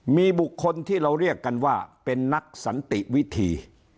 มีบุคคลที่เราเรียกกันว่าเป็นนักสันติวิธี